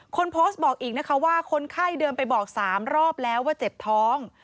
คนโพสต์บอกอีกนะคะว่าคนไข้เดินไปบอก๓รอบแล้วว่าเจ็บท้อง